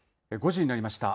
５時になりました。